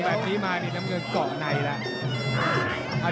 แบบนี้มานี่น้ำเงินเกาะในแล้ว